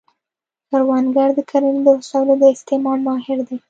کروندګر د کرنې د وسایلو د استعمال ماهر دی